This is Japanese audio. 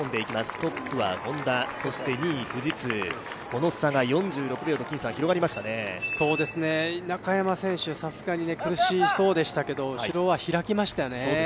トップはＨｏｎｄａ、２位富士通、中山選手、さすがに苦しそうでしたけど、後ろは開きましたよね。